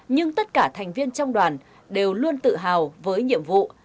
nhưng tất cả thành viên trong đoàn đều luôn tự hào với nhiệm vụ